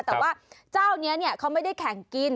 แต่ว่าเจ้านี้เขาไม่ได้แข่งกิน